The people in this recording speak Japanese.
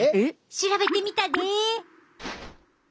調べてみたで！